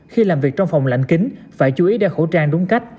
khi làm việc trong phòng lạnh kính phải chú ý đeo khẩu trang đúng cách